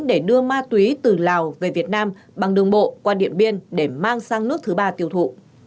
để đưa ma túy từ lào về việt nam bằng đường bộ qua điện biên để mang sang nước thứ ba tiêu thụ